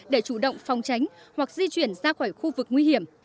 để chủ động phòng tránh hoặc di chuyển ra khỏi khu vực nguy hiểm